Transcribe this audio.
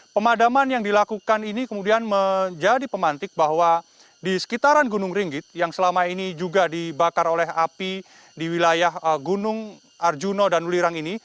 pemadaman yang dilakukan ini kemudian menjadi pemantik bahwa di sekitaran gunung ringgit yang selama ini juga dibakar oleh api di wilayah gunung arjuna dan wulirang ini